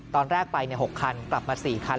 ตอนแรกไป๖คันกลับมา๔คัน